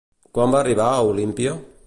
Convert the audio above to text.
Quan va arribar a Olímpia?